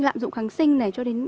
lạm dụng kháng sinh này cho đến